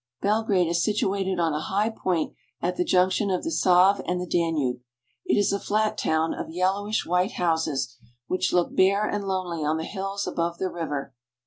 Belgrade is situated on a high point at the junction of the Save and the Danube. It is a flat town of yellowish white houses, which look bare and lonely on the hills above the river.